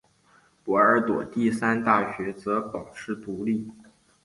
波尔多第三大学则保持独立。